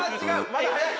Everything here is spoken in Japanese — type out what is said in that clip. まだ早い！